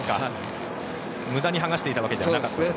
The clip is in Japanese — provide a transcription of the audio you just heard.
無駄に剥がしていたわけではなかったんですね。